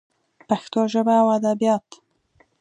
پښتو ژبه او ادبیات